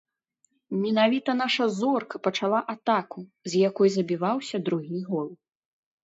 Менавіта наша зорка пачала атаку, з якой забіваўся другі гол.